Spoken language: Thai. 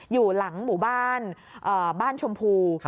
อยู่หลังหมู่บ้านบ้านชมพู